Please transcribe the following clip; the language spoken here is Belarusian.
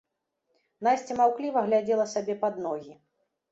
Насця маўкліва глядзела сабе пад ногі.